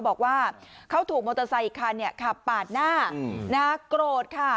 บอกว่าเขาถูกมอเตอร์ไซค์อีกคันขับปาดหน้าโกรธค่ะ